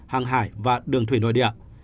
hàng hải và đường thủy nội địa